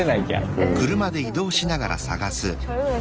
うん。